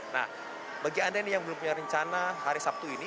nah bagi anda yang belum punya rencana hari sabtu ini